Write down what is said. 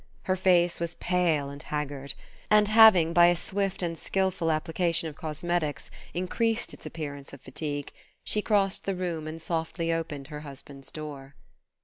Her face was pale and haggard; and having, by a swift and skilful application of cosmetics, increased its appearance of fatigue, she crossed the room and softly opened her husband's door.